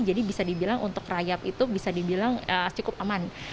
jadi bisa dibilang untuk rayap itu bisa dibilang cukup aman